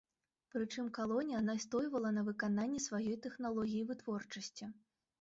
Прычым калонія настойвала на выкананні сваёй тэхналогіі вытворчасці.